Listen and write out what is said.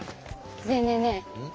ねえねえねえうん？